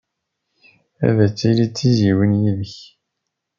Ad tili d tizzyiwin yid-k.